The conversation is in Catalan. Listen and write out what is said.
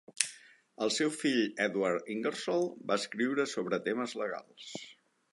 El seu fill Edward Ingersoll va escriure sobre temes legals.